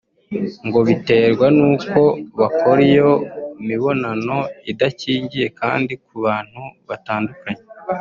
ngo biterwa n’uko bakora iyo mibonano idakingiye kandi ku bantu batandukanye